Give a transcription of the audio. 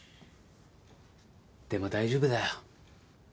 でも大丈夫だよ。